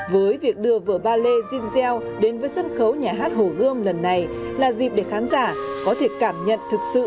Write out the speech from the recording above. với việc đưa vở ballet jean gell đến với sân khấu nhà hát hồ gươm lần này là dịp để khán giả có thể cảm nhận thực sự